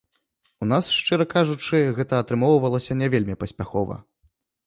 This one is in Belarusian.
У нас, шчыра кажучы, гэта атрымоўвалася не вельмі паспяхова.